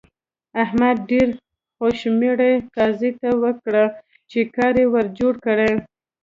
احمد ډېرې خوشمړې قاضي ته ورکړې چې کار يې ور جوړ کړي.